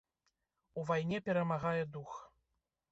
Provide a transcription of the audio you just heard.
У вайне перамагае дух.